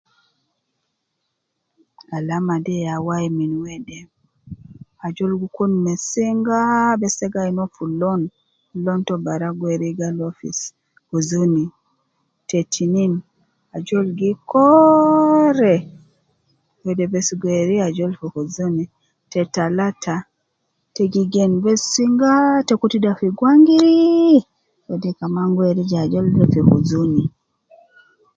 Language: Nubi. Alama de ya wai min wede, ajol gi kun me singaa, bes te gi ain uwo fi lon, lon to bara gi weri jegal uwo fi singa, huzuni, te tinin, ajol gi kooore, wede bes gi weri ajol fi uzuni ,te talata te gi gen bes singaaa, te kutu ida fi gwangirii, wede kaman gi weri je ajol de te uzuni.